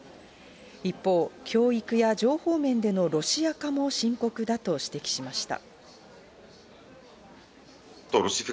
一方、教育や情報面でのロシア化も深刻だと指摘しました。